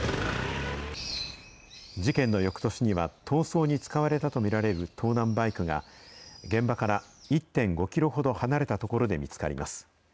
事件のよくとしには、逃走に使われたと見られる盗難バイクが、現場から１．５キロほど離れた所で見つかります。